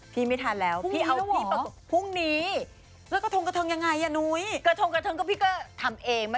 พี่ไม่ทันแล้วพรุ่งนี้แล้วหรอ